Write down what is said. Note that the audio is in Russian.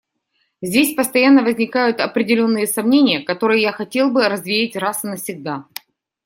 Здесь постоянно возникают определенные сомнения, которые я хотел бы развеять раз и навсегда.